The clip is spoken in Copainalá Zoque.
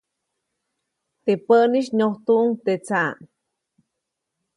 Teʼ päʼnis nyojtuʼuŋ teʼ tsaʼ.